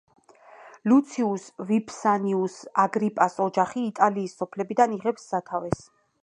ლუციუს ვიფსანიუს აგრიპას ოჯახი იტალიის სოფლებიდან იღებს სათავეს.